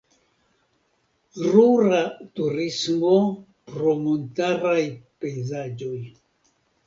Rura turismo pro montaraj pejzaĝoj.